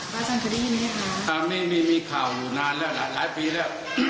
พระอาจารย์เคยได้ยินไหมคะอ่ามีมีมีข่าวนานแล้วหลายหลายปีแล้ว